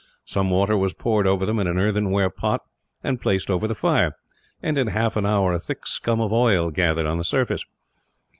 Some water was poured over them, in an earthenware pot, and placed over the fire and, in half an hour, a thick scum of oil gathered on the surface.